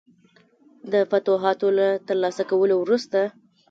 د فتوحاتو له ترلاسه کولو وروسته.